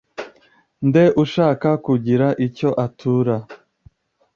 nde ushaka kugira icyo atura